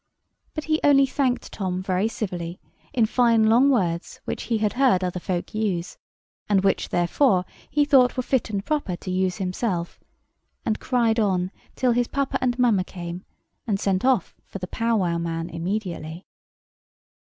But he only thanked Tom very civilly, in fine long words which he had heard other folk use, and which therefore, he thought were fit and proper to use himself; and cried on till his papa and mamma came, and sent off for the Powwow man immediately.